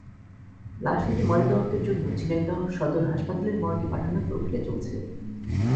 লাশ দুটি ময়নাতদন্তের জন্য ঝিনাইদহ সদর হাসপাতালের মর্গে পাঠানোর প্রক্রিয়া চলছে।